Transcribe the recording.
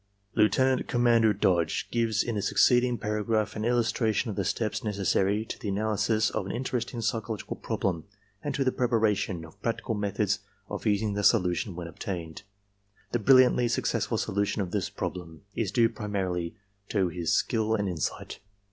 Lieut. Commander Dodge gives in a succeeding paragraph an illustration of the steps necessary to the analysis of an interesting psychological problem and to the preparation of PRACTICAL APPLICATIONS 187 practical methods of using the solution when obtained. The brilliantly successful solution of this problem is due primarily to his skill and insight.